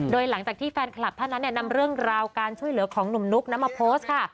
โดยหลังจากที่แฟนคลับท่านนั้นนำเรื่องราวการช่วยเหลือของหนุ่มนุ๊กมาโพสต์ค่ะ